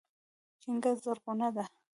چينکه زرغونه ده